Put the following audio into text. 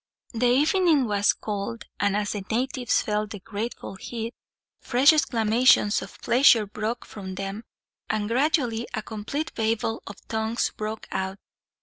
The evening was cold and, as the natives felt the grateful heat, fresh exclamations of pleasure broke from them; and gradually a complete babel of tongues broke out.